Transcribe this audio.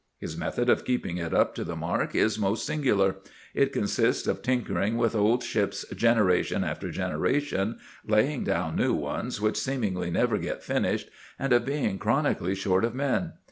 His method of keeping it up to the mark is most singular. It consists of tinkering with old ships generation after generation, laying down new ones which seemingly never get finished, and of being chronically short of men.